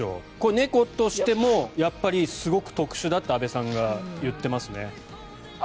猫としてもすごく特殊だって阿部さんが言ってますね。